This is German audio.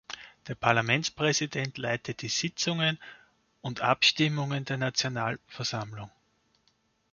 Der Parlamentspräsident leitet die Sitzungen und Abstimmungen der Nationalversammlung.